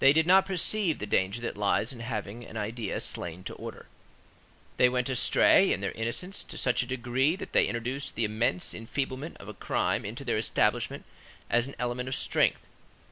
They did not perceive the danger that lies in having an idea slain to order. They went astray, in their innocence, to such a degree that they introduced the immense enfeeblement of a crime into their establishment as an element of strength.